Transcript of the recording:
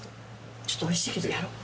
ちょっと美味しいけどやろう。